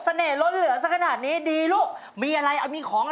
ไม่ว่าจะกินไม่ว่าจะนอนอะไรอะไรยังไงก็เธอ